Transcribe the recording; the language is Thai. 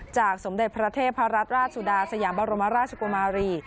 จากสมเด็จพระเทพพระรัชราชสุดาสยามบรมราชกวมารี